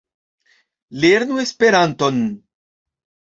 Lernu Esperanton!